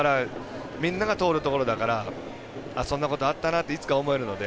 みんなが通るところだからそんなことあったなっていつか思えるので。